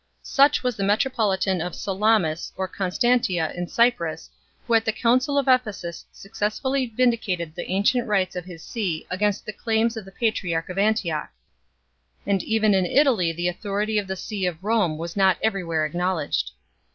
Such was the metropolitan of Salainis or Constantia in Cyprus, who at the Council of Ephesus 3 successfully vindicated the ancient rights of his see against the claims of the patriarch of Antioch. And even in Italy the authority of the see of Rome was not everywhere acknowledged.